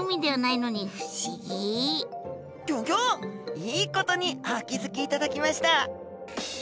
いいことにお気付きいただきました。